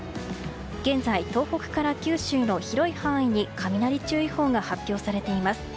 現在、東北から九州の広い範囲に雷注意報が発表されています。